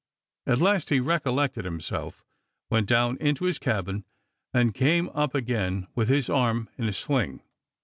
At last he recollected himself, went down into his cabin, and came up again with his arm in a sling.